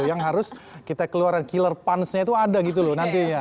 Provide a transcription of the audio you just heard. yang harus kita keluarkan killer punsnya itu ada gitu loh nantinya